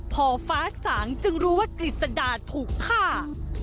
พอฟ้าสางจึงรู้ว่ากฤษดาถูกฆ่า